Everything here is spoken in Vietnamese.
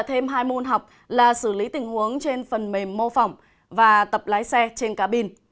thêm hai môn học là xử lý tình huống trên phần mềm mô phỏng và tập lái xe trên cá bin